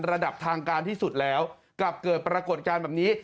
ระดับทางการที่สุดแล้วกลับเกิดปรากฏการณ์แบบนี้